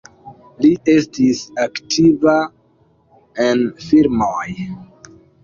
Li estis aktiva en filmoj.